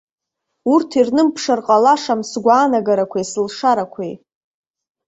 Урҭ ирнымԥшыр ҟалашам сгәаанагарақәеи сылшарақәеи.